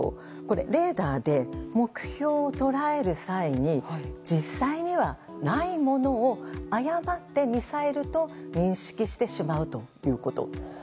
レーダーで目標を捉える際に実際にはないものを誤ってミサイルと認識してしまうということ。